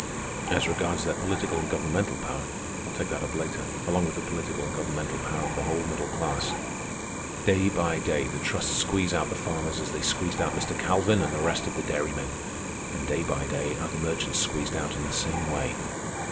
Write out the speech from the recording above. As regards their political and governmental power, I'll take that up later, along with the political and governmental power of the whole middle class. "Day by day the trusts squeeze out the farmers as they squeezed out Mr. Calvin and the rest of the dairymen. And day by day are the merchants squeezed out in the same way.